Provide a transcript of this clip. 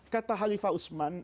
kata khalifah usman